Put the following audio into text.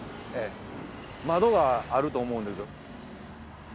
窓があると思うんですよ